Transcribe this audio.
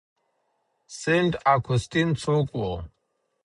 سینټ اګوستین څوک و؟